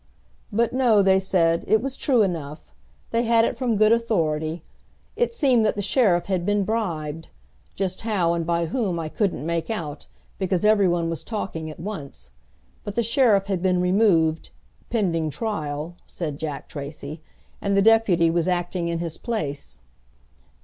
But, no, they said, it was true enough. They had it from good authority. It seemed that the sheriff had been bribed. Just how and by whom I couldn't make out, because every one was talking at once. But the sheriff had been removed, "pending trial," said Jack Tracy, and the deputy was acting in his place.